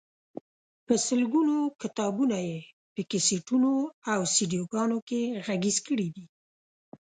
په سلګونو کتابونه یې په کیسټونو او سیډيګانو کې غږیز کړي دي.